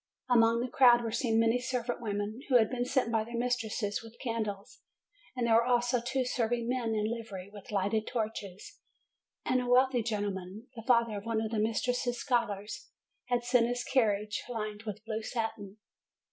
Among the crowd were seen many servant women, who had been sent by their mistresses with candles ; and there were also two serving men in livery, with lighted torches; and a 328 JUNE wealthy gentleman, the father of one of the mistress's scholars, had sent his carriage, lined with blue satin.